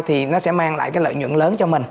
thì nó sẽ mang lại cái lợi nhuận lớn cho mình